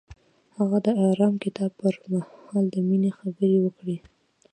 هغه د آرام کتاب پر مهال د مینې خبرې وکړې.